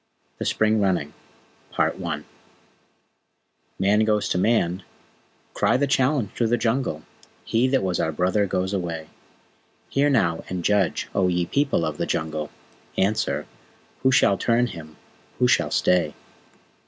THE SPRING RUNNING Man goes to Man! Cry the challenge through the Jungle! He that was our Brother goes away. Hear, now, and judge, O ye People of the Jungle, Answer, who shall turn him who shall stay?